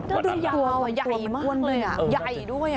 ตัวมันใหญ่ด้วยอ่ะ